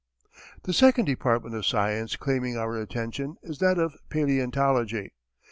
The second department of science claiming our attention is that of paleontology.